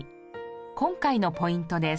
今回のポイントです。